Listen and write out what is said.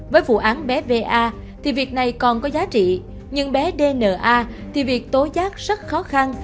với vụ án bé va thì việc này còn có giá trị nhưng bé dna thì việc tối giác rất khó khăn